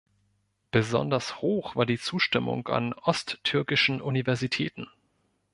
Besonders hoch war die Zustimmung an osttürkischen Universitäten.